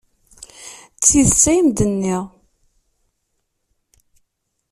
D tidet ay am-d-nniɣ.